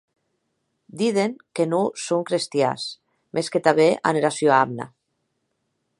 Diden que non son crestians, mès que tanben an era sua amna.